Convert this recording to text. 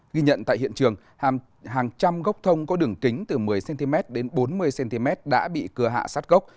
ghi nhận tại hiện trường hàng trăm gốc thông có đường kính từ một mươi cm đến bốn mươi cm đã bị cưa hạ sát gốc